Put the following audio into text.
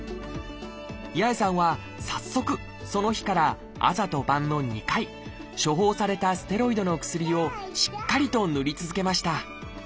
八重さんは早速その日から朝と晩の２回処方されたステロイドの薬をしっかりと塗り続けました。